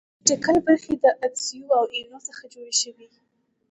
اپټیکل برخې د عدسیو او اینو څخه جوړې شوې.